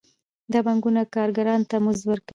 دا پانګوال کارګرانو ته مزد ورکوي